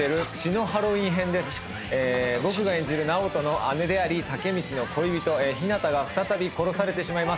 僕が演じるナオトの姉でありタケミチの恋人ヒナタが再び殺されてしまいます。